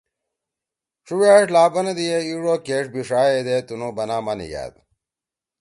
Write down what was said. ڇُووأݜ لا بنَدی اے ایِݜ او کیݜ بیِݜا ہیدے تُنُو بنا ما نیِگھأد۔